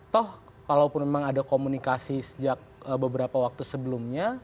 toh walaupun memang ada komunikasi sejak beberapa waktu sebelumnya